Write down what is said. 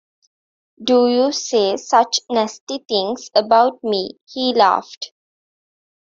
“Do you say such nasty things about me?” he laughed.